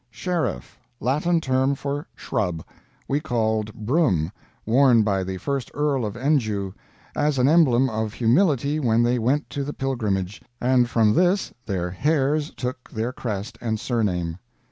Sheriff Latin term for 'shrub,' we called broom, worn by the first earl of Enjue, as an emblem of humility when they went to the pilgrimage, and from this their hairs took their crest and surname.